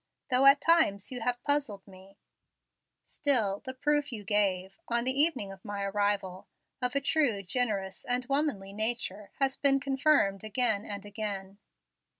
Though at times you have puzzled me, still, the proof you gave on the evening of my arrival of a true, generous, and womanly nature, has been confirmed again and again.